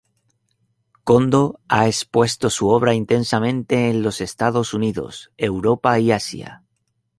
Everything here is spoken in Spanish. Condo ha expuesto su obra intensamente en los Estados Unidos, Europa y Asia.